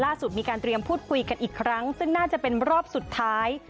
มีการเตรียมพูดคุยกันอีกครั้งซึ่งน่าจะเป็นรอบสุดท้าย